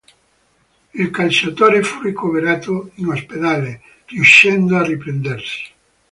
Il calciatore fu ricoverato in ospedale, riuscendo a riprendersi.